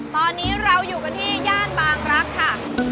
ตอนนี้เราอยู่กันที่ย่านบางรักค่ะ